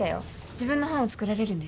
自分の班を作られるんですよね？